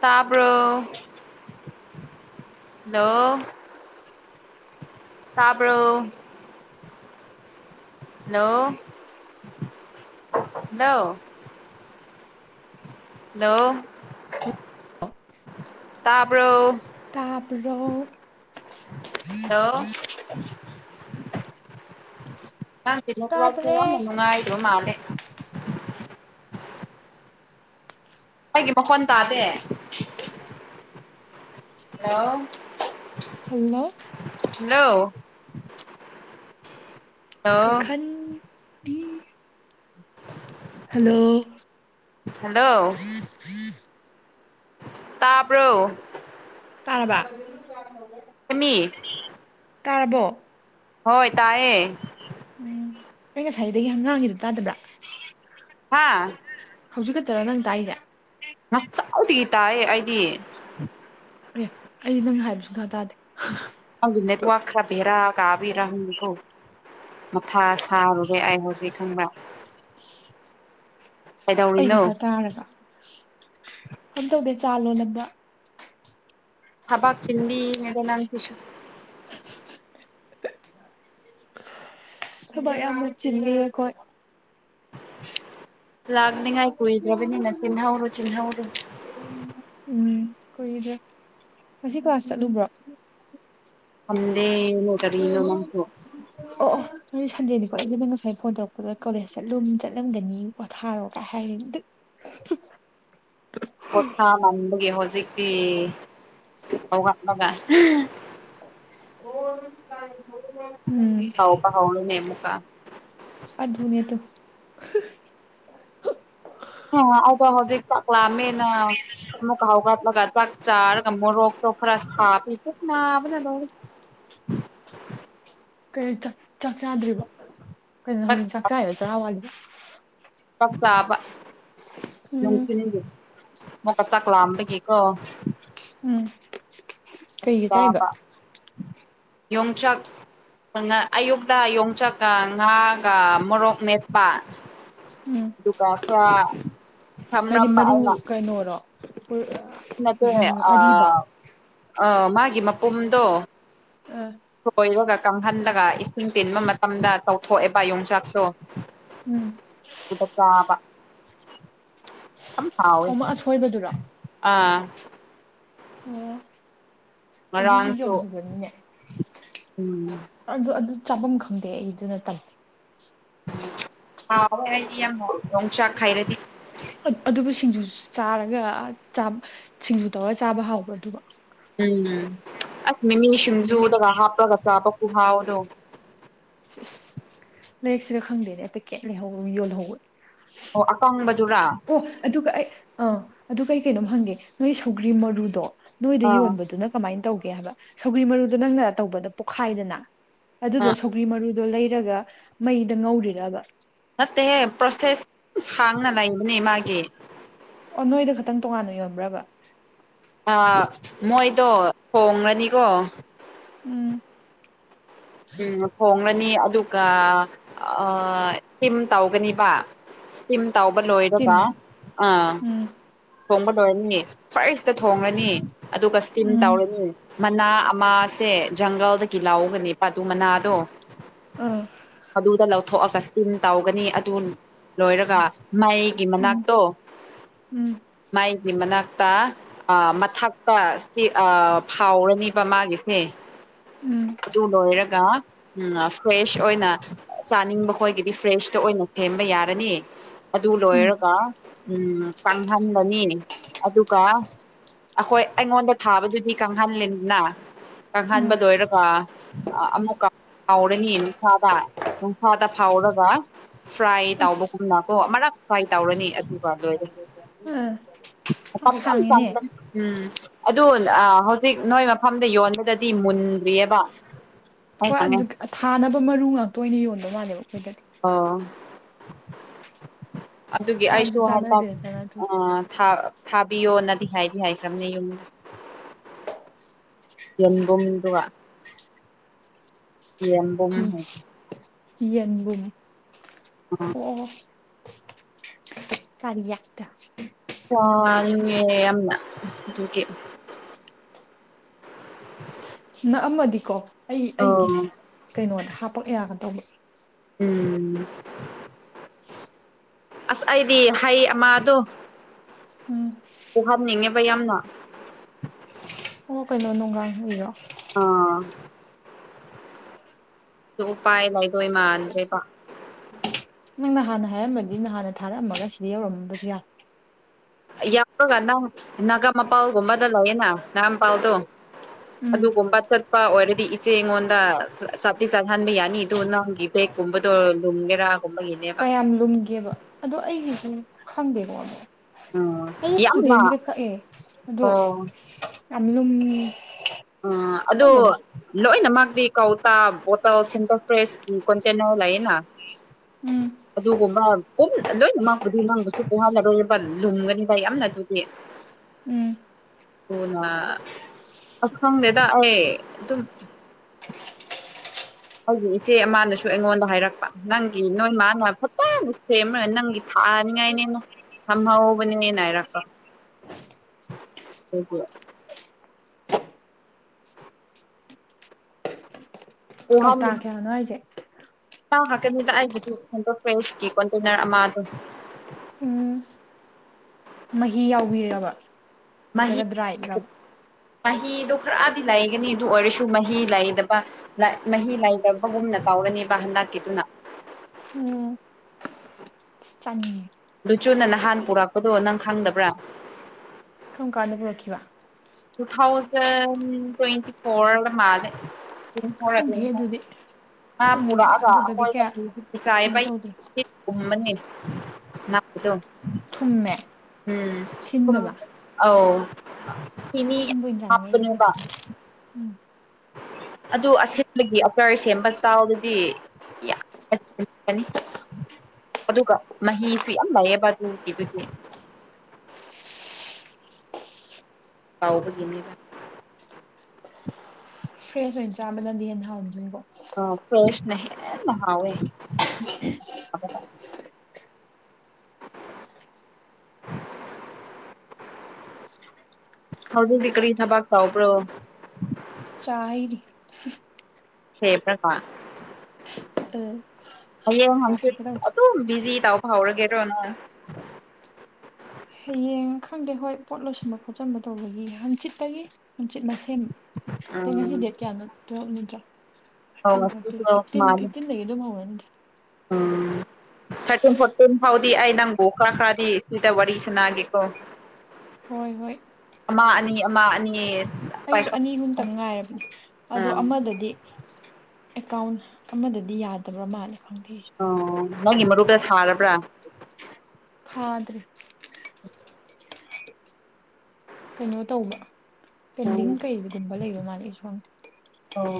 ꯇꯥꯕ꯭ꯔꯣ ꯍꯜꯂꯣ ꯇꯥꯕ꯭ꯔꯣ hello hello hello ꯇꯥꯕ꯭ꯔꯣ ꯇꯥꯕ꯭ꯔꯣ ꯍꯜꯂꯣ ꯑꯉꯥꯡꯇꯤ ꯅꯦꯠꯋꯥꯔꯛ ꯇꯣ ꯇꯥꯗ꯭ꯔꯦ ꯌꯥꯝꯅ ꯅꯨꯡꯉꯥꯏꯕ ꯃꯥꯜꯂꯦ [unintelligible] ꯑꯩꯒꯤ ꯃꯈꯣꯟ ꯇꯥꯗꯦ ꯑꯥ ꯍꯜꯂꯣ ꯍꯜꯂꯣ ꯍꯜꯂꯣ ꯍꯜꯂꯣ ꯀꯥꯈꯟ ꯗꯤ ꯍꯜꯂꯣ ꯍꯜꯂꯣ ꯇꯥꯕ꯭ꯔꯣ ꯇꯥꯔꯕ ꯑꯦꯃꯤ ꯇꯥꯔꯕꯣ ꯍꯣꯏ ꯇꯥꯌꯦ ꯎꯝ ꯑꯩ ꯉꯁꯥꯏꯗꯒꯤ ꯌꯥꯝ ꯂꯥꯡꯉꯤꯗꯨ ꯇꯥꯗꯕ꯭ꯔꯥ ꯍꯥꯥ ꯍꯧꯖꯤꯛ ꯈꯛꯇꯔ ꯅꯪ ꯇꯥꯏꯖꯦ ꯉꯁꯥꯏꯗꯒꯤ ꯇꯥꯔꯦ ꯑꯩꯗꯤ ꯑꯦ ꯑꯩ ꯅꯪ ꯍꯥꯏꯕ ꯁꯨꯇꯥ ꯇꯥꯗꯦ ꯈꯪꯗꯦ ꯅꯦꯠꯋꯥꯔꯛ ꯈꯔ ꯕꯦꯔꯥ ꯀꯥꯕꯦꯔꯥ ꯈꯪꯗꯦ ꯀꯣ ꯃꯊꯥ ꯊꯥꯔꯨꯔꯦ ꯑꯩ ꯍꯧꯖꯤꯛ ꯈꯪꯕ꯭ꯔ ꯀꯩꯗꯧꯔꯤꯅꯣ [unintelligible] ꯀꯩꯝ ꯇꯧꯗꯦ ꯆꯥ ꯂꯣꯜꯂꯝꯕ ꯊꯕꯛ ꯆꯤꯟꯕꯤꯅꯤꯗ ꯅꯪꯗꯤ ꯊꯕꯛ ꯌꯥꯝꯅ ꯆꯤꯟꯂꯤ ꯑꯩꯈꯣꯏ ꯂꯥꯛꯅꯤꯉꯥꯏ ꯀꯨꯏꯗ꯭ꯔꯕꯅꯤꯅ ꯆꯤꯜꯍꯧꯔꯣ ꯆꯤꯜꯍꯧꯔꯣ ꯎꯝ ꯀꯏꯗ꯭ꯔꯦ ꯉꯁꯤ ꯀ꯭ꯂꯥꯁ ꯆꯠꯂꯨꯕ꯭ꯔꯣ ꯁꯟꯗꯦꯅꯦ ꯀꯔꯤꯅꯣ ꯅꯪꯁꯨ ꯑꯣ ꯑꯣ ꯉꯁꯤ ꯁꯟꯗꯦꯅꯤꯀꯣ ꯑꯩꯩꯅ ꯅꯪ ꯉꯁꯥꯏ ꯐꯣꯟ ꯇꯧꯔꯛꯄꯗ ꯀꯣꯂꯦꯖ ꯆꯠꯂꯨꯝ ꯆꯠꯂꯝꯒꯅꯤ ꯄꯣꯊꯥꯔꯣꯒꯥꯏ ꯍꯥꯏꯔꯤꯅꯤ ꯗꯠ [unintelligible] ꯄꯣꯊꯥ ꯃꯟꯕꯒꯤ ꯍꯧꯖꯤꯛꯇꯤ ꯍꯧꯒꯠꯂꯒ ꯎꯝ [unintelligible] ꯇꯧꯕ ꯍꯧꯔꯦꯅꯦ ꯑꯃꯨꯀꯥ ꯑꯗꯨꯅꯦ ꯑꯗꯣ [unintelligible] ꯍꯧꯖꯤꯛ ꯆꯥꯛꯂꯥꯝꯃꯤꯅ ꯑꯃꯨꯛ ꯀꯥꯎꯔꯛꯂꯒ ꯆꯥꯛ ꯆꯔꯒ ꯃꯣꯔꯣꯛ ꯇꯣ ꯈꯔ ꯁꯥꯄꯤꯕ ꯄꯨꯛ ꯅꯕꯅ ꯂꯣꯏꯔꯦ ꯀꯩꯅꯣ ꯆꯥꯛ ꯆꯥꯛ ꯆꯥꯗ꯭ꯔꯤꯕꯣ ꯀꯩꯅꯣ ꯍꯧꯖꯤꯛ ꯆꯥꯛ ꯆꯥꯏꯔꯣ ꯆꯔꯥ ꯋꯥꯂꯤꯔꯣ ꯆꯥꯛ ꯆꯥꯕ꯫ [unintelligible] ꯃꯨꯀ ꯆꯥꯛꯂꯥꯝꯕꯒꯤꯀꯣ꯫ ꯎꯝ꯫ ꯀꯩꯒꯤ ꯆꯥꯏꯕ ꯆꯥꯕ ꯌꯣꯡꯆꯥꯛ꯫ ꯐꯪꯉ ꯑꯌꯨꯛꯇ ꯌꯣꯡꯆꯥꯛꯀ ꯉꯥꯒ ꯃꯣꯔꯣꯛ ꯃꯦꯠꯄ꯫ ꯎꯝ ꯑꯗꯨꯒ ꯈꯔ ꯍꯥꯏꯗꯤ ꯊꯥꯝꯔꯝꯕ ꯃꯔꯨ ꯑꯩꯅ꯫ ꯀꯩꯅꯣꯔꯣ ꯅꯠꯇꯦ ꯑꯔꯤꯕ꯫ ꯑ ꯑ ꯃꯥꯒꯤ ꯃꯄꯨꯝꯗꯣ꯫ ꯑ꯫ ꯍꯣꯏꯔꯒ ꯀꯪꯍꯜꯂꯒ ꯏꯁꯤꯡ ꯇꯤꯟꯕ ꯃꯇꯝꯗ ꯇꯧꯊꯣꯛꯑꯦꯕ ꯌꯣꯡꯆꯥꯛꯇꯣ꯫ ꯎꯝ꯫ ꯑꯗꯨꯆꯥꯕ ꯌꯥꯝ ꯍꯥꯎꯋꯦ ꯑꯃ ꯑꯁꯣꯏꯕꯗꯨꯔꯣ ꯑ꯫ ꯑꯣ ꯑꯗꯨꯁꯨ ꯉꯔꯥꯡꯁꯨ ꯌꯣꯜꯍꯧꯕꯅꯤꯅꯦ꯫ ꯎꯝ ꯑꯗꯨ ꯑꯗꯨ ꯆꯥꯐꯝ ꯈꯪꯗꯦ ꯑꯩ ꯑꯗꯨ ꯅ ꯇꯥꯜꯂꯤ꯫ ꯍꯥꯎꯋꯦ ꯑꯩꯗꯤ ꯌꯥꯝ ꯌꯣꯡꯆꯥꯛ ꯍꯥꯏꯔꯗꯤ꯫ ꯑꯗꯨꯕꯨ ꯁꯤꯡꯖꯨ ꯆꯥꯔꯒ ꯁꯤꯡꯖꯨ ꯇꯧꯔ ꯆꯥꯕ ꯍꯥꯎꯕ ꯑꯗꯨꯕꯣ꯫ ꯎꯝ ꯑꯁ ꯃꯤꯃꯤ ꯁꯤꯡꯖꯨꯗꯒ ꯍꯥꯞꯄꯒ ꯆꯥꯕ ꯈꯨꯨꯍꯥꯎꯗꯣ꯫ ꯁꯤꯁ ꯂꯩꯔꯤꯛꯁꯤꯒ ꯈꯪꯗꯦꯅꯦ ꯄꯦꯛꯀꯦꯠ ꯂꯩꯍꯧꯕ ꯌꯣꯜꯍꯧꯕ꯫ ꯑꯣ ꯑꯀꯪꯕꯗꯨꯔ꯫ ꯑꯣ ꯑꯗꯨꯒ ꯑꯩ ꯑꯥ ꯑꯗꯨꯒ ꯑꯩ ꯀꯩꯅꯣꯝ ꯍꯪꯒꯦ ꯅꯣꯏ ꯁꯧꯒ꯭ꯔꯤ ꯃꯔꯨꯗꯣ꯫ ꯅꯣꯏꯗ ꯑꯥ ꯌꯣꯟꯕꯗꯨꯅ ꯀꯃꯥꯏꯅ ꯇꯧꯒꯦ ꯍꯥꯏꯕ ꯁꯧꯒ꯭ꯔꯤ ꯃꯔꯨꯗꯣ ꯅꯪꯅ ꯇꯧꯕꯗꯨ ꯄꯨꯛꯈꯥꯏꯗꯅ꫰꫰ ꯑꯗꯨꯗꯣ ꯑꯥ ꯁꯧꯒ꯭ꯔꯤ ꯃꯔꯨꯗꯣ ꯂꯩꯔꯒ ꯃꯩꯗ ꯉꯧꯔꯤꯔꯕ꯫ ꯅꯠꯇꯦꯍꯦ ꯄ꯭ꯔꯣꯁꯦꯁ ꯁꯥꯡꯅ ꯂꯩꯕꯅꯤ ꯃꯥꯒꯤ꯫ ꯑꯣ ꯅꯣꯏꯗ ꯈꯛꯇꯪ ꯇꯣꯉꯥꯟꯅ ꯌꯣꯟꯕ꯭ꯔꯕ꯫ ꯑ ꯃꯣꯏꯗꯣ ꯊꯣꯡꯉꯥꯅꯤꯀꯣ꯫ ꯎꯝ꯫ ꯎꯝ ꯊꯣꯡꯂꯅꯤ ꯑꯗꯨꯒ ꯏꯁꯇꯤꯝ ꯇꯧꯒꯅꯤꯕ꯫ ꯏꯁꯇꯤꯝ ꯇꯧꯕ ꯁ꯭ꯇꯤꯝ ꯂꯣꯏꯔꯒ ꯑꯥ꯫ ꯎꯝ ꯊꯣꯡꯕ ꯂꯣꯏꯔꯅꯤ ꯐꯔꯁꯇ ꯊꯣꯡꯉꯅꯤ ꯑꯗꯨꯒ ꯏꯁꯇꯤꯝ ꯎꯝ ꯇꯧꯔꯅꯤ꯫ ꯃꯅꯥ ꯑꯃꯁꯦ ꯖꯪꯒꯜꯗꯒꯤ ꯂꯥꯎꯒꯅꯦ ꯄꯥ ꯑꯗꯨ ꯃꯅꯥꯗꯣ꯫ ꯎꯝ꯫ ꯑꯗꯨꯗ ꯂꯧꯊꯣꯛꯑꯒ ꯏꯁꯤꯟ ꯇꯧꯒꯅꯤ ꯑꯗꯨ ꯂꯣꯏꯔꯒ ꯃꯩꯒꯤ ꯎꯝ ꯃꯅꯥꯛꯇꯣ ꯎꯝ ꯃꯩꯒꯤ ꯃꯅꯥꯛꯇ ꯑ ꯃꯊꯥꯛꯇ ꯁꯤ ꯑ ꯐꯥꯎꯔꯅꯤꯕ ꯃꯥꯒꯤꯁꯦ꯫ ꯎꯝ꯫ ꯇꯨ ꯂꯣꯏꯔꯒ꯫ ꯎꯝ ꯐ꯭ꯔꯦꯁ ꯑꯣꯏꯅ ꯆꯥꯅꯤꯡꯕ ꯈꯣꯏꯒꯤꯗꯤ ꯐ꯭ꯔꯦꯁꯇ ꯑꯣꯏꯅ ꯊꯦꯝꯕ ꯌꯥꯔꯅꯤ꯫ ꯑꯗꯨ ꯎꯝ ꯂꯣꯏꯔꯒ ꯎꯝ ꯀꯪꯍꯟꯕꯅꯤ ꯑꯗꯨꯒ ꯑꯩꯈꯣꯏ ꯑꯩꯉꯣꯟꯗ ꯊꯥꯕꯗꯨꯗꯤ ꯀꯪꯍꯜꯂꯤꯗꯅ ꯀꯪꯍꯟꯕ ꯎꯝ ꯂꯣꯏꯔꯒ ꯑꯃꯨꯛꯀ ꯐꯥꯎꯔꯅꯤ ꯅꯨꯡꯁꯥꯗ ꯅꯨꯡꯁꯥꯗ ꯐꯥꯎꯔꯒ꫰꫰ ꯐ꯭ꯔꯥꯏ ꯑꯁ ꯇꯥꯎꯕꯒꯨꯝꯅ ꯀꯣ ꯑꯃꯔꯛ ꯐ꯭ꯔꯥꯏ ꯇꯧꯔꯅꯤ꯫ ꯑꯗꯨꯒ ꯂꯣꯏꯔꯦ ꯑꯥ ꯃꯇꯝ ꯌꯥꯝ ꯆꯪꯕꯅꯦ꯫ ꯎꯝ ꯑꯗꯨ ꯑ ꯍꯧꯖꯤꯛ ꯅꯣꯏ ꯃꯐꯝꯗ ꯌꯣꯟꯕꯗꯗꯤ ꯃꯨꯟꯗ꯭ꯔꯤꯑꯦꯕ꯫ ꯍꯣꯏ ꯑꯗꯨꯒ ꯊꯥꯅꯕ ꯃꯔꯨ ꯉꯥꯛꯇ ꯑꯣꯏꯅ ꯌꯣꯟꯕ ꯃꯥꯜꯂꯦꯕ ꯑꯈꯣꯏꯗꯗꯤ꯫ ꯑꯣ꯫ ꯑꯗꯨꯒꯤ ꯆꯥꯁꯨ ꯑꯩꯁꯨ ꯍꯟꯗꯥꯛ ꯆꯥꯟꯅꯗꯦꯗꯅ ꯑꯗꯨ ꯑ ꯊꯥ ꯊꯥꯕꯤꯌꯣꯅꯗꯤ ꯍꯥꯏꯗꯤ ꯍꯥꯏꯈ꯭ꯔꯕꯅꯦ ꯌꯨꯝꯗ꯫ ꯌꯦꯟꯕꯨꯝꯗꯨꯒ꯫ ꯌꯦꯟꯕꯨꯝ ꯍꯥꯏ ꯌꯦꯟꯕꯨꯨꯝ ꯑꯣ ꯀꯥꯔꯤ ꯌꯦꯠꯇ ꯋꯥꯔꯤꯉꯦ ꯌꯥꯝꯅ ꯑꯗꯨꯀꯤ ꯅꯛ ꯑꯃꯗꯤꯀꯣ ꯑꯩ ꯑꯣ ꯑꯩꯒꯤ ꯀꯩꯅꯣꯗ ꯍꯥꯄꯛ ꯌꯥꯒ ꯇꯧꯕ ꯎꯝ ꯎꯝ [unintelligible] ꯍ [unintelligible] ꯑꯁ ꯑꯩꯗꯤ ꯍꯩ ꯑꯃꯥꯗꯨ ꯎꯝ ꯄꯨꯍꯞꯅꯤꯡꯉꯦꯕ ꯌꯥꯝꯅ ꯑꯣ ꯀꯩꯅꯣ ꯅꯨꯡꯒꯥꯡ ꯍꯩꯔꯣ ꯑꯥ ꯍ [unintelligible] ꯑꯗꯨ ꯎꯄꯥꯏ ꯂꯩꯏꯔꯣꯏ ꯃꯥꯟꯗ꯭ꯔꯦꯕ ꯅꯪ ꯅꯍꯥꯟꯅ ꯍꯥꯏꯔꯝꯝꯕꯗꯤ ꯅꯍꯥꯟꯅ ꯊꯥꯔꯛꯝꯃꯒ ꯁꯤꯗ ꯌꯧꯔꯝꯑꯝꯕꯁꯨ ꯌꯥꯏ ꯑꯩ ꯌꯥꯎꯔꯒ ꯅꯪ ꯅꯥꯒꯥ ꯃꯄꯥꯜꯒꯨꯝꯕꯗ ꯂꯩꯌꯦꯅ ꯅꯥꯒꯥ ꯃꯄꯥꯜꯇꯣ ꯎꯝ ꯑꯗꯨꯒꯨꯝꯕ ꯆꯠ ꯏꯄꯥ ꯑꯣꯏꯔꯗꯤ ꯏꯆꯦ ꯑꯩꯉꯣꯟꯗ ꯆꯥꯠꯇꯤ ꯆꯥꯠꯍꯟꯕ ꯌꯥꯅꯤ ꯑꯗꯨ ꯅꯪꯒꯤ ꯕꯦꯛꯀꯨꯝꯕꯗꯣ ꯂꯨꯝꯒꯦꯔꯥ ꯀꯌꯥꯝ ꯂꯨꯝꯒꯦꯕ ꯑꯗꯣ ꯑꯩꯒꯤꯁꯨ ꯈꯪꯗꯦꯀꯣ ꯑꯣ ꯑꯩ ꯌꯥꯝꯅ ꯏꯁꯇꯨꯗꯦꯟꯒꯤꯗ ꯀꯛꯑꯦ ꯑꯗꯨ ꯑꯣ ꯌꯥꯝ ꯂꯨꯝꯃꯦ ꯎꯝ ꯑꯗꯨ ꯂꯣꯏꯅꯃꯛꯛꯇꯤ ꯀꯧꯇꯥ ꯕꯣꯇꯜ ꯁꯤꯟꯇꯔ ꯐ꯭ꯔꯦꯁ ꯎꯝ ꯀꯣꯟꯇꯦꯟ ꯌꯥꯎ ꯂꯩꯑꯦꯅꯥ ꯎꯝ ꯑꯗꯨꯒꯨꯝꯕꯑ ꯂꯣꯏ ꯉꯪꯕꯨꯗꯤ ꯉꯪꯕꯁꯨ ꯄꯨꯡꯍꯜꯂꯔꯣꯏꯕ ꯂꯨꯝꯒꯅꯤꯕ ꯌꯥꯝꯅ ꯑꯗꯨꯗꯤ ꯎꯝ ꯍꯣꯅꯥ ꯑ ꯈꯪꯗꯦꯗ ꯑꯩ ꯑꯗꯨꯝ ꯑꯩꯒꯤ ꯏꯆꯦ ꯑꯃꯅꯁꯨ ꯑꯩꯉꯣꯟꯗ ꯍꯥꯏꯔꯛꯄ ꯅꯪꯒꯤ ꯅꯣꯏ ꯃꯥꯅ ꯐꯖꯅ ꯁꯦꯝꯃ ꯅꯪꯒꯤ ꯊꯥꯅꯤꯉꯥꯏꯅꯦꯅ ꯊꯝꯍꯧꯕꯅꯤꯅꯥꯏꯔꯛꯄ ꯍ [inaudible] ꯀꯧꯇꯥꯥ ꯀꯌꯥꯅꯣ ꯍꯥꯏꯁꯦ ꯃꯥꯡꯈ꯭ꯔꯥ ꯀꯅꯤꯗ ꯑꯩꯒꯤꯗꯤ ꯁꯦꯟꯇꯔꯐ꯭ꯔꯦꯁ ꯀꯤ ꯀꯣꯟꯇꯦꯅꯔ ꯑꯃꯗꯣ ꯎꯝ ꯃꯍꯤ ꯌꯥꯎꯕꯤꯔꯕ ꯃꯍꯤ ꯅꯠꯇ꯭ꯔꯒ ꯗ꯭ꯔꯥꯏꯔꯕ ꯃꯍꯤꯗꯨ ꯈꯔꯗꯤ ꯂꯩꯒꯅꯤ ꯑꯗꯨ ꯑꯣꯏꯔꯁꯨ ꯃꯍꯤ ꯂꯩꯗꯕ ꯂꯥꯏꯠ ꯃꯍꯤ ꯂꯩꯥꯏꯇꯕꯒꯨꯝꯅ ꯇꯧꯔꯅꯤꯕ ꯍꯟꯗꯛꯀꯤꯗꯨꯅ ꯍꯨꯝ ꯆꯥꯅꯤꯡꯉꯦ ꯂꯨꯆꯨꯅ ꯅꯍꯥꯟ ꯄꯨꯔꯛꯄꯗꯣ ꯅꯪ ꯈꯪꯗꯕ꯭ꯔꯥ ꯀꯝꯀꯥꯟꯗ ꯄꯨꯔꯛꯈꯤꯕ ꯇꯨ ꯊꯥꯎꯖꯟ ꯇ꯭ꯋꯦꯟꯇꯤ ꯐꯣꯔ ꯃꯥꯅꯦ ꯈꯪꯗꯦ ꯑꯗꯨꯗꯤ [unintelligible] ꯉꯥ ꯄꯨꯟ ꯄꯨꯔꯛꯑꯒ ꯑꯗꯨꯗꯗꯤ ꯑꯈꯣꯏꯒ ꯀꯌꯥ ꯈꯤꯛ ꯈꯤꯖꯤꯛ ꯀꯩꯅꯣ ꯆꯥꯏꯕꯩ ꯇꯧꯗ꯭ꯔꯤ ꯍꯤꯠ ꯀꯨꯝꯕꯅꯦ ꯊꯨꯝꯃꯦ ꯎꯝ ꯁꯤꯟꯗꯕ ꯑ [inaudible] [unintelligible] ꯎ [unintelligible] ꯑꯁꯤꯡꯕ ꯑꯣꯏꯅ ꯆꯥꯅꯤꯡꯉꯦ ꯎꯝ ꯑꯗꯨ ꯑꯁꯤꯠꯂꯒꯤ ꯑꯀꯔ ꯁꯦꯝꯕ ꯏꯁꯇꯥꯜꯗꯨꯗꯤ [unintelligible] ꯑꯗꯨꯒ ꯃꯍꯤꯁꯨ ꯌꯥꯝ ꯂꯩꯌꯦꯕ ꯑꯗꯨꯒꯤ ꯗꯨꯗꯤ ꯍꯥꯎꯕꯒꯤꯅꯤꯗ [unintelligible] ꯍꯦꯜ ꯆꯥꯕꯅꯗꯤ ꯌꯥꯝ ꯍꯥꯎꯕꯅꯦꯕ ꯑ ꯄ꯭ꯔꯦꯁꯅ ꯍꯦꯟꯅ ꯍꯥꯎꯋꯦ [inaudible] ꯍꯧꯖꯤꯛꯗꯤ ꯀꯔꯤ ꯊꯕꯥꯛ ꯆꯥꯎꯕ꯭ꯔꯣ ꯆꯥꯗꯤ ꯐꯦꯕ꯭ꯔꯀ [inaudible] ꯑ ꯍꯌꯦꯡ ꯍꯪꯆꯤꯠ ꯑꯗꯨꯝ ꯕꯤꯖꯤ ꯇꯥꯎꯕ ꯍꯧꯔꯒꯦꯔꯣ ꯅꯍꯪ ꯍꯌꯦꯡ ꯈꯪꯗꯦ ꯍꯣꯏ ꯄꯣꯠ ꯂꯣꯏꯁꯟꯕ ꯈꯣꯠꯆꯟꯕ ꯇꯧꯕꯒꯤ ꯍꯪꯆꯤꯠꯇꯒꯤ ꯍꯪꯆꯤꯠ ꯃꯁꯦꯝ ꯑ ꯉꯁꯤ ꯎꯝ ꯗꯦꯠ ꯀꯌꯥꯅꯣ ꯇꯋ꯭ꯦꯐ ꯅꯠꯇ꯭ꯔꯣ ꯑꯧ ꯐꯣꯔꯇꯤꯟ ꯉꯁꯤ ꯐꯣꯔꯇꯤꯟ ꯇꯨꯋꯦꯜꯐ ꯐꯤꯐꯇꯤꯟ ꯃꯥꯜꯂꯦ ꯐꯤꯐꯇꯤꯟꯗꯒꯤꯗꯤ ꯐꯥꯎꯕꯅꯤ ꯎꯝ [inaudible] [unintelligible] ꯊꯥꯔꯇꯤꯟ ꯐꯣꯔꯇꯤꯟ ꯐꯥꯎꯗꯤ ꯑꯩ ꯅꯪꯕꯨ ꯈꯔ ꯈꯔꯗꯤ ꯇꯋꯤꯗ ꯋꯥꯔꯤ ꯁꯥꯟꯅꯒꯦꯀꯣ ꯍꯣꯏ ꯍꯣꯏ ꯑꯃ ꯑꯅꯤ ꯑꯃ ꯑꯅꯤ ꯑꯩꯒꯤꯁꯨ ꯄꯥꯏꯈꯠ ꯑꯅꯤ ꯑꯍꯨꯝꯇꯪ ꯉꯥꯏꯔꯕꯅꯦ ꯑꯗꯣ ꯑꯥ ꯑꯃꯗꯗꯤ ꯑꯦꯀꯥꯎꯟ ꯑꯃꯗꯗꯤ ꯌꯥꯗꯕ꯭ꯔ ꯃꯥꯜꯂꯦ ꯈꯪꯗꯦꯁꯦ ꯑꯣ ꯅꯪꯒꯤ ꯃꯔꯨꯞꯇ ꯊꯥꯔꯕ꯭ꯔꯥ ꯍꯥꯗꯔꯤ ꯀꯩꯅꯣ ꯇꯧꯕ ꯑꯣ ꯄꯦꯟꯗꯤꯡ ꯀꯩꯒꯨꯝꯕ ꯂꯩꯕ ꯃꯥꯜꯂꯦ ꯑꯩꯁꯨ ꯈꯪꯗꯦ ꯑꯣ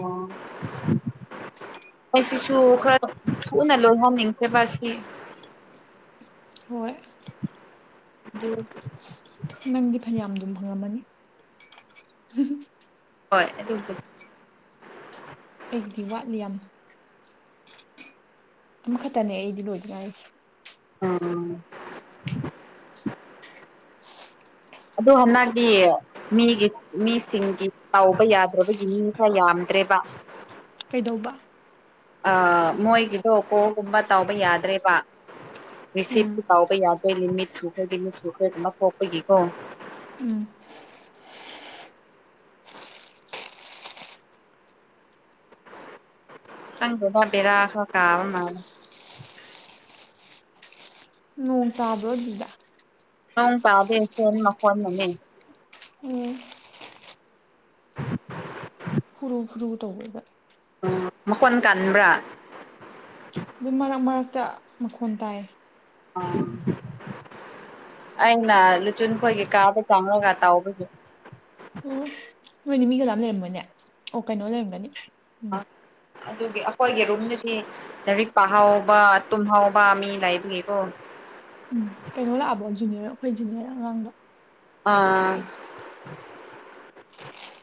ꯑꯩꯁꯤꯁꯨ ꯈꯔ ꯊꯨꯅ ꯂꯣꯍꯟꯅꯤꯡꯆ꯭ꯔꯦꯕ ꯑꯁꯤ ꯍꯣꯏ [inaudible] [unintelligible] ꯑꯗꯨ [inaudible] ꯅꯪꯗꯤ ꯐꯅꯌꯥꯝ ꯗꯨꯝ ꯐꯪꯉꯝꯃꯅꯤ ꯍꯣꯏ ꯑꯗꯨꯕꯨ ꯑꯩꯒꯤꯗꯤ ꯋꯥꯠꯂꯤ ꯌꯥꯝꯅ ꯑꯃꯈꯛꯇꯅꯦ ꯑꯩꯗꯤ ꯂꯣꯏꯗ ꯉꯥꯏꯔꯤ ꯎꯝ ꯑꯗꯨ ꯍꯟꯗꯛꯀꯤ ꯃꯤꯒꯤ ꯃꯤꯁꯤꯡꯒꯤ ꯇꯥꯎꯕ ꯌꯥꯗ꯭ꯔꯕꯒꯤ ꯃꯤ ꯈꯔ ꯌꯥꯝꯗ꯭ꯔꯦꯕ ꯀꯩꯗꯧꯕ ꯑ ꯃꯣꯏꯒꯤꯗꯣ ꯀꯣꯒꯨꯝꯕ ꯇꯥꯎꯕ ꯌꯥꯗ꯭ꯔꯦꯕ ꯎꯝ ꯔꯤꯁꯤꯞꯇꯨ ꯀꯥꯎꯕ ꯌꯥꯗ꯭ꯔꯦ ꯂꯤꯃꯤꯠ ꯁꯨꯈꯔ꯭ꯦ ꯂꯤꯃꯤꯠ ꯁꯨꯈꯔꯦ ꯑꯗꯨꯅ ꯀꯣꯛꯄꯒꯤꯀꯣ ꯎꯝ ꯍꯪ ꯕꯤ ꯔꯥꯁ ꯀꯥꯕ ꯃꯥ [unintelligible] ꯎꯣꯡ ꯇꯥꯗ꯭ꯔꯗꯗ ꯎ ꯇꯗꯦ ꯐꯣꯟ ꯃꯈꯣꯟꯅꯅꯦ ꯎꯝ ꯍꯨꯔꯨ ꯐꯨꯔꯨ ꯇꯧꯋꯦꯕ ꯎꯝ ꯃꯈꯣꯟ ꯀꯕ꯭ꯔꯥ ꯑꯗꯨꯝ ꯃꯔꯛ ꯃꯔꯛꯇ ꯃꯈꯣꯟ ꯇꯥꯏ ꯎ ꯑꯩꯅ ꯂꯨꯆꯨꯟ ꯈꯣꯏꯒꯤ ꯀꯥꯗ ꯆꯪꯉꯒ ꯇꯥꯎꯕꯒꯤ ꯑꯣ ꯅꯣꯏꯅꯦ ꯃꯤꯒ ꯂꯥꯝ ꯂꯩꯔꯝꯕꯅꯦ ꯑꯣ ꯀꯩꯅꯣ ꯂꯩꯔꯝꯒꯅꯤ ꯑ ꯎꯝ ꯑꯗꯨꯒꯤ ꯑꯩꯈꯣꯏꯒꯤ ꯔꯨꯝꯗꯗꯤ ꯂꯥꯏꯔꯤꯛ ꯄꯥꯍꯕ ꯇꯨꯝꯍꯥꯎꯕ ꯃꯤ ꯂꯥꯏꯕꯒꯤꯀꯣ ꯎꯝ ꯀꯩꯅꯣ ꯂꯥꯛꯑꯕꯣ ꯖꯨꯅꯤꯌꯔ ꯑꯩꯈꯣꯏ ꯖꯨꯅꯤꯌꯔ ꯑꯉꯥꯡꯗ ꯑꯥ [unintelligible] [inaudible]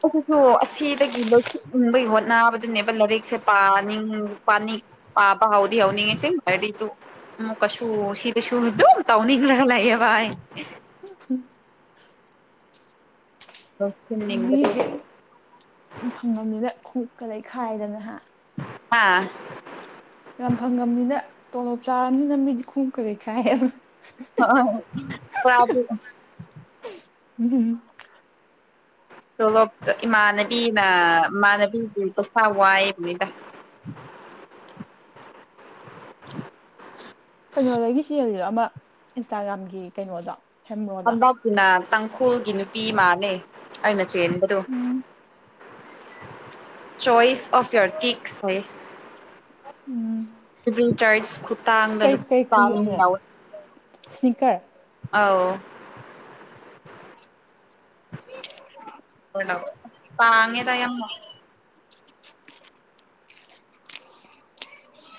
ꯑꯗꯨꯁꯨ ꯑꯁꯤꯗꯒꯤ ꯂꯣꯏꯁꯤꯅꯤꯡꯕꯒꯤ ꯍꯣꯠꯅꯕꯗꯅꯦꯕ ꯂꯥꯏꯔꯤꯛꯁꯦ ꯄꯥꯅꯤꯡ ꯄꯥꯅꯤꯡ ꯄꯥꯄꯥ ꯍꯥꯎꯗꯤ ꯍꯥꯎꯅꯤꯡꯉꯦꯁꯤ [unintelligible] ꯇꯨ ꯑꯃꯨꯛ ꯀꯁꯨ ꯁꯤꯗꯁꯨ ꯑꯗꯨꯝ ꯇꯧꯅꯤꯡꯂꯒ ꯂꯩꯥꯌꯦꯕ ꯑꯩ ꯎ ꯂꯧꯁꯤꯟꯅꯤꯡꯕꯗꯣ ꯃꯤꯁꯦ ꯌꯥꯝ ꯐꯪꯉꯝꯅꯤꯅ ꯈꯣꯡꯉꯨꯞꯀ ꯂꯩꯩꯈꯥꯏꯗꯅ ꯍ ꯍꯥꯥ ꯌꯥꯝ ꯐꯪꯉꯅꯤꯅ ꯇꯣꯂꯣꯞ ꯆꯥꯔꯕꯅꯤꯅ ꯃꯤꯗꯤ ꯈꯣꯡ ꯀꯔꯩ ꯈꯥꯏꯕ ꯍ [unintelligible] ꯎꯝ ꯇꯣꯂꯣꯞ ꯏꯃꯥꯟꯅꯕꯤꯅ ꯏꯃꯥꯟꯅꯕꯤꯒꯤ ꯄꯁ ꯋꯥꯏꯑꯕꯅꯤꯗ [unintelligible] ꯀꯩꯅꯣꯗꯒꯤ ꯆꯦꯜꯂꯤꯔꯣ ꯑꯃ ꯏꯟꯁꯇꯥꯒ꯭ꯔꯥꯝꯒꯤ ꯀꯩꯅꯣꯗꯣ ꯍꯦꯝꯔꯣꯗꯣ ꯍꯟꯗꯇꯨꯅ ꯇꯥꯡꯈꯨꯜꯒꯤ ꯅꯨꯄꯤ ꯃꯥꯜꯂꯦ ꯑꯩꯅ ꯆꯦꯟꯕꯗꯨ um choice of year kicks ꯍꯦ [unintelligible] ꯂꯤꯚꯤꯡ ꯇꯥꯏꯠꯁ ꯈꯨꯊꯥꯡꯗ ꯀꯩ ꯀꯩ ꯈꯣꯡꯎꯞꯅꯣ ꯂꯧꯋꯦ ꯏꯁꯅꯤꯀꯔ ꯑꯥꯎ [unintelligible] ꯥꯉꯦ ꯇꯌꯦ [inaudible]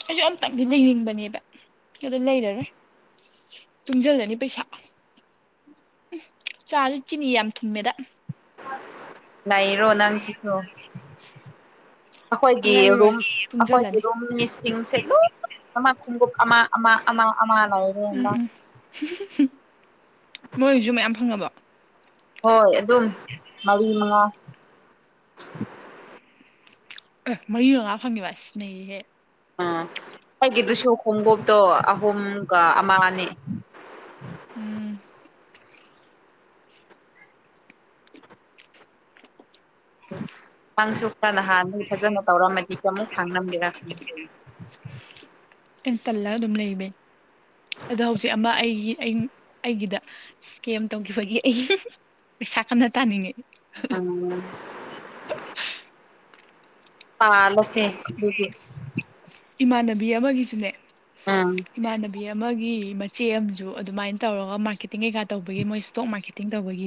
ꯑꯩꯁꯨ ꯑꯝꯇꯪꯗꯤ ꯂꯩꯅꯤꯡꯕꯅꯦꯕ ꯑꯗꯨꯗ ꯂꯩꯔꯔꯣꯏ ꯇꯨꯡꯖꯤꯜꯂꯅꯤ ꯄꯩꯁꯥ ꯆꯥꯥꯁ ꯆꯤꯅꯤ ꯌꯥꯝ ꯊꯨꯝꯃꯦꯗ ꯂꯩꯔꯣ ꯅꯪ ꯁꯤꯁꯨ ꯑꯩꯈꯣꯏꯒꯤ ꯂꯩꯔꯣꯏ ꯔꯨꯝ ꯑꯩꯈꯣꯏꯒꯤ ꯇꯨꯡꯖꯜꯂꯅꯤ ꯔꯨꯝ ꯂꯤꯁꯤꯡꯁꯦ ꯂꯣꯏ ꯑꯃ ꯈꯣꯡꯎꯞ ꯑꯃ ꯑꯃ ꯑꯃ ꯑꯃ ꯂꯩꯔꯦ ꯑꯗ ꯍꯥꯍꯨ ꯃꯣꯏꯁꯨ ꯃꯌꯥꯝ ꯐꯪꯉꯕ ꯍꯣꯏ ꯑꯗꯨꯝ ꯃꯔꯤ ꯃꯉꯥ ꯃꯔꯤ ꯃꯉꯥ ꯐꯪꯉꯦꯕ ꯁꯤ ꯅꯩꯌꯦꯍꯦ ꯎꯝ ꯑꯩꯒꯤ ꯗꯨꯁꯨ ꯈꯣꯡꯎꯞꯇꯣ ꯑꯍꯨꯝꯒ ꯑꯃꯅꯤ ꯎꯝ ꯄꯪꯁꯨ ꯈꯔ ꯅꯍꯥꯟ ꯅ ꯐꯖꯅ ꯇꯧꯔꯝꯃꯗꯤ ꯀꯃꯨꯛ ꯐꯥꯡꯅꯒꯦꯔꯥ ꯈꯪꯉ ꯑꯩ ꯇꯜꯂꯒ ꯑꯗꯨꯝ ꯂꯩꯕꯩ ꯑꯗꯣ ꯍꯧꯖꯤꯛ ꯑꯃ ꯑꯩꯒꯤ-ꯑꯩ-ꯑꯩꯒꯤꯗ ꯁꯀꯦꯝ ꯇꯧꯈꯤꯕꯒꯤ ꯑꯩ ꯄꯩꯁꯥ ꯀꯥꯟꯅ ꯇꯥꯅꯤꯡꯉ ꯎꯝ [unintelligible] ꯄꯥꯜꯂꯁꯦ ꯑꯗꯨꯗꯤ ꯏꯃꯥꯟꯅꯕꯤ ꯑꯃꯒꯤꯁꯨꯅꯦ ꯑꯪ ꯏꯃꯥꯟꯅꯕꯤ ꯑꯃꯒꯤ ꯃꯆꯦ ꯑꯃꯁꯨ ꯑꯗꯨꯃꯥꯏꯅ ꯇꯧꯔꯒ ꯃꯥꯔꯀꯦꯇꯤꯡ ꯀꯩꯀꯥ ꯇꯧꯕꯒꯤ ꯃꯣꯏ ꯏꯁꯇꯣꯛ ꯃꯥꯔꯀꯦꯇꯤꯡ ꯇꯧꯕꯒꯤ